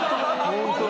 ホントに。